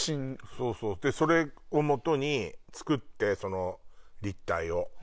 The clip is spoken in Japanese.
そうそうそれをもとに作って立体を。